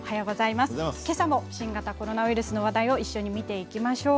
けさも新型コロナウイルスの話題を一緒に見ていきましょう。